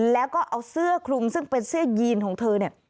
แล้วก็เอาเสื้อคลุมซึ่งเป็นเสื้อยีนของเธอเนี่ย